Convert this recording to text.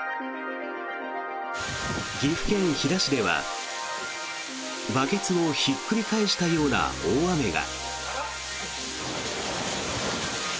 岐阜県飛騨市ではバケツをひっくり返したような大雨が。